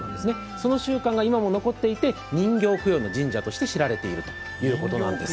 その習慣が今も残っていて、人形供養の神社として知られているんです。